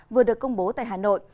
vừa được công bố tại hà nội